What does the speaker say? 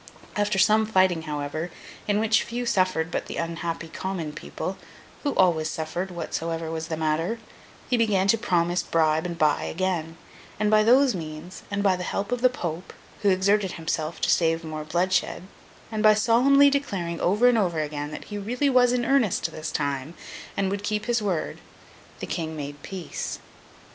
After some fighting, however, in which few suffered but the unhappy common people (who always suffered, whatsoever was the matter), he began to promise, bribe, and buy again; and by those means, and by the help of the Pope, who exerted himself to save more bloodshed, and by solemnly declaring, over and over again, that he really was in earnest this time, and would keep his word, the King made peace.